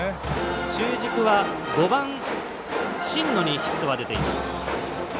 中軸は５番新野にヒットが出ています。